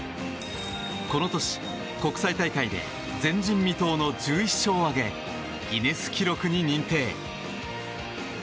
この年、国際大会で前人未到の１１勝を挙げギネス記録に認定。